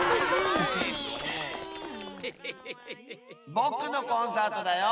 ぼくのコンサートだよ！